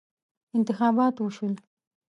انتخابات وشول.